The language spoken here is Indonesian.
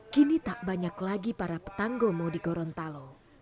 kini tak banyak lagi para petanggomo di gorontalo